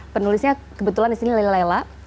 penulisnya kebetulan di sini lela lela